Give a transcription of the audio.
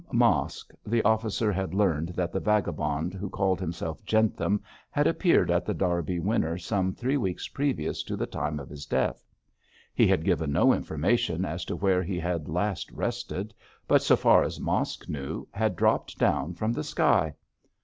From Mosk, the officer had learned that the vagabond who called himself Jentham had appeared at The Derby Winner some three weeks previous to the time of his death. He had given no information as to where he had last rested, but, so far as Mosk knew, had dropped down from the sky.